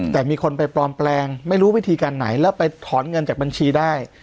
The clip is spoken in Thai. แต่มีคนไปปลอมแปลงไม่รู้วิธีการไหนแล้วไปถอนเงินจากบัญชีได้